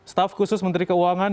staff khusus menteri keuangan